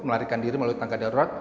melarikan diri melalui tangga darurat